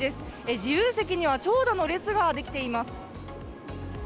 自由席には長蛇の列が出来ています。